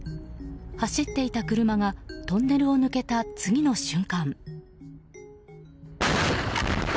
走っていた車がトンネルを抜けた次の瞬間。